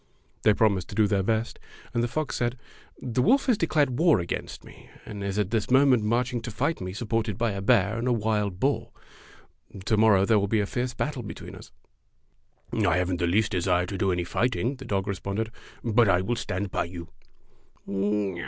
They promised to do their best, and the fox said: "The wolf has declared war against me, and is at this moment marching to fight me supported by a bear and a wild boar. To morrow there will be a fierce battle be tween us." " I have n't the least desire to do any fight ing," the dog responded, "but I will stand by you."